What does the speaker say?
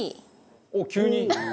あっ急に！